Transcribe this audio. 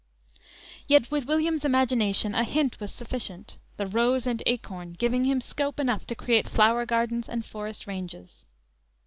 Yet, with William's imagination, a hint was sufficient, the rose and acorn giving him scope enough to create flower gardens and forest ranges.